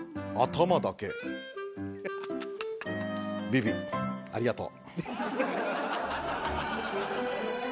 ビビありがとう。